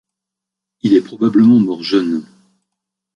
Il est probablement mort jeune.